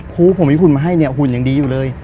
ครูผมมีหุ่นมาให้เนี่ยหุ่นยังดีอยู่เลย